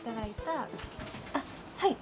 あっはい。